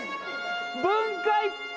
分解！